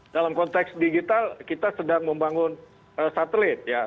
dalam konteks digital kita sedang membangun satelit ya